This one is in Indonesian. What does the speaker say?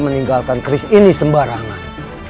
meninggalkan keris ini sembarangan